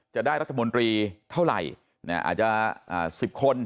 จะได้รัฐมนตรีเท่าไหร่อาจจะ๑๐คน